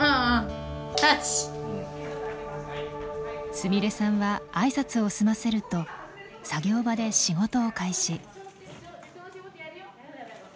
すみれさんは挨拶を済ませると作業場で仕事を開始。